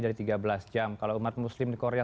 dari tiga belas jam kalau umat muslim di korea